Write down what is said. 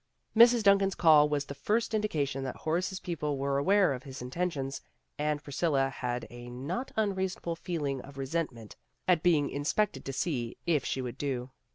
Mrs. Duncan's call was the first indication that Horace's people were aware of his intentions, and Priscilla had a not unreasonable feeling of resentment at being inspected to see if she would do.